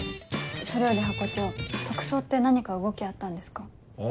それよりハコ長特捜って何か動きあったんですか？